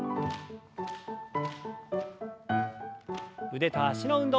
腕と脚の運動。